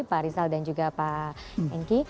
pak rizal dan juga pak hengki